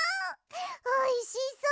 おいしそう！